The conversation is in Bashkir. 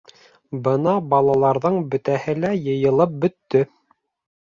Бына балаларҙың бөтәһе лә йыйылып бөттө.